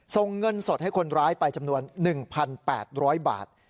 ส่งเงินสดให้คนร้ายไปจำนวน๑๘๐๐บาท